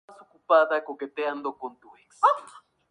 Redujo las líneas diagonales en un mínimo absoluto.